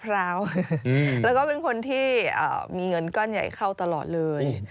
แล้วก็เป็นคนที่มีเงินก้อนใหญ่เข้าตลอดเลย